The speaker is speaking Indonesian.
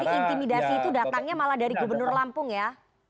jadi intimidasi itu datangnya malah dari gubernur lampung ya